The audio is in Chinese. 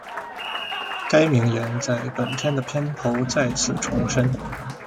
该名言在本片的片头再次重申。